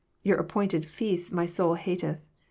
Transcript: '* Your appointed feasts my soul hateth."